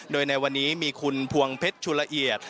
โดยในวันนี้มีคุณพวงเพชรชุลละเอียด